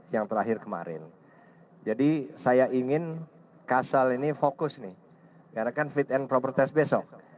yang terakhir kemarin jadi saya ingin kasal ini fokus nih karena kan fit and proper test besok